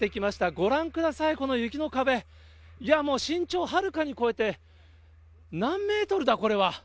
ご覧ください、この雪の壁、いや、もう身長をはるかに超えて、何メートルだ、これは。